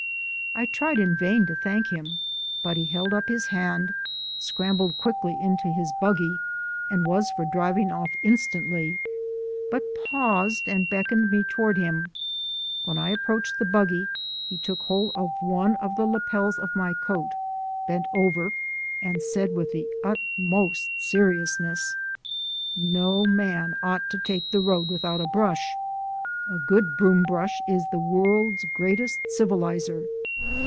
I tried in vain to thank him, but he held up his hand, scrambled quickly into his buggy, and was for driving off instantly, but paused and beckoned me toward him. When I approached the buggy, he took hold of one the lapels of my coat, bent over, and said with the utmost seriousness: "No man ought to take the road without a brush. A good broom brush is the world's greatest civilizer.